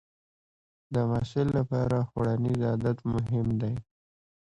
د محصل لپاره خوړنیز عادت مهم دی.